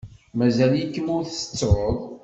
Mazal-ikem ur tettuḍ.